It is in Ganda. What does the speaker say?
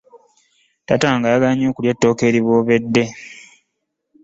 Taata wange ayagala nnyo okulya ettooke eriboobedde.